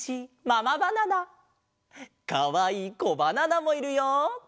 かわいいコバナナもいるよ！